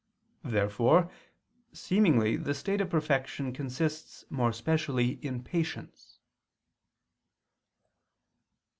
Therefore seemingly the state of perfection consists more specially in patience.